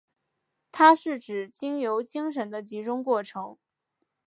它是指经由精神的集中过程。